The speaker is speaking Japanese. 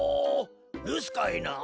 るすかいな？